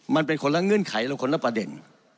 มันเป็นคนละเงื่อนไขเราคนละประเด็น